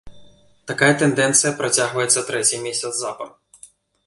Такая тэндэнцыя працягваецца трэці месяц запар.